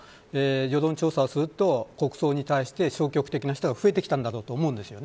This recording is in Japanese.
世論調査をすると国葬に対して消極的な人が増えてきたんだろうと思います。